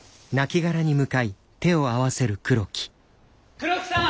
・黒木さん！